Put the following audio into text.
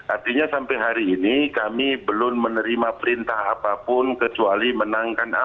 artinya sampai hari ini kami belum menerima perintah apapun ke cina